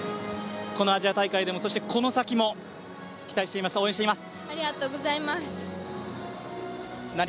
このアジア大会でも、この先も期待しています、応援しています。